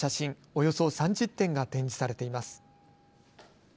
およそ３０点が展示されています。